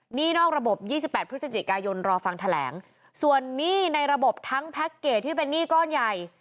หนี้นอกระบบยี่สิบแปดพฤศจิกายนรอฟังแถลงส่วนหนี้ในระบบทั้งแพ็คเกจที่เป็นหนี้ก้อนใหญ่